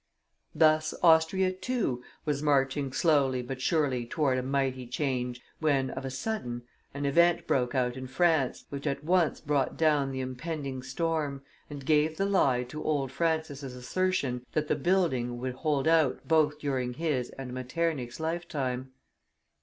Thus Austria, too, was marching slowly but surely toward a mighty change, when, of a sudden, an event broke out in France, which at once brought down the impending storm, and gave the lie to old Francis's assertion, that the building would hold out both during his and Metternich's lifetime.